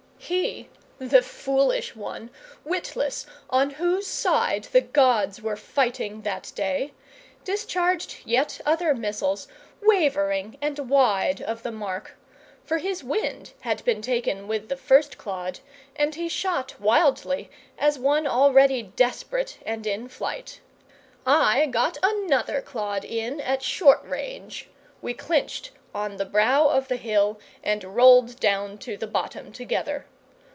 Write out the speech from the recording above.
He, the foolish one, witless on whose side the gods were fighting that day, discharged yet other missiles, wavering and wide of the mark; for his wind had been taken with the first clod, and he shot wildly, as one already desperate and in flight. I got another clod in at short range; we clinched on the brow of the hill, and rolled down to the bottom together.